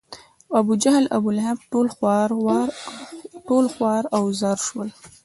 ابوجهل، ابولهب ټول خوار و زار شول.